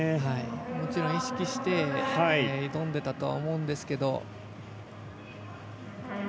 もちろん意識して挑んでいたとは思うんですけど。